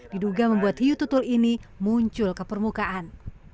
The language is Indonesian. diduga membuat hiu tutul ini muncul ke permukaan